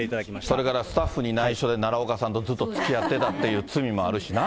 それからスタッフにないしょで、奈良岡さんとずっとつきあってたっていう罪もあるしな。